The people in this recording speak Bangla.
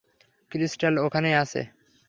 ক্রিস্টাল ওখানেই আছে।